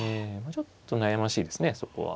ちょっと悩ましいですねそこは。